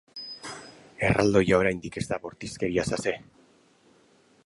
Erraldoia oraindik ez da bortizkeriaz ase.